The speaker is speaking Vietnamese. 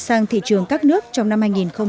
sang thị trường các nước trong năm hai nghìn một mươi tám